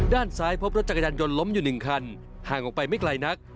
ด้านซ้ายพบรถจักรยานยนต์ล้มอยู่๑คันห่างออกไปไม่ไกลนัก